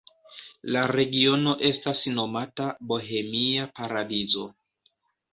La regiono estas nomata Bohemia Paradizo.